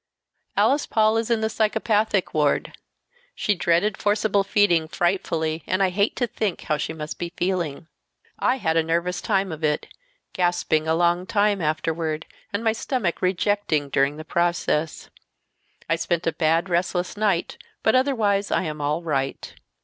"Alice Paul is in the psychopathic ward. She dreaded forcible feeding frightfully, and I hate to think how she must be feeling. I had a nervous time of it, gasping a long time afterward, and my stomach rejecting during the process. I spent a bad, restless night, but otherwise I am all right.